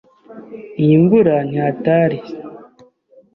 Iyi mvura ni hataris